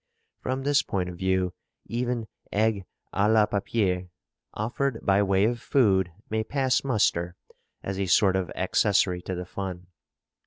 From this point of view, even egg à la papier offered by way of food may pass muster as a sort of accessory to the fun.